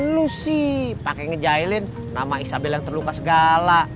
lu sih pakai ngejailin nama isabel yang terluka segala